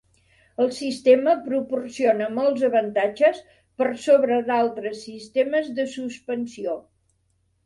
El sistema proporciona molts avantatges per sobre d'altres sistemes de suspensió.